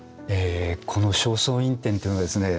この「正倉院展」っていうのはですね